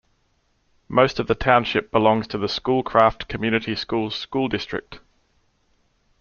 Most of the township belongs to the Schoolcraft Community Schools school district.